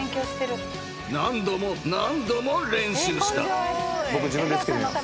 ［何度も何度も練習した］